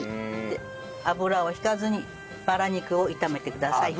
で油を引かずにバラ肉を炒めてください。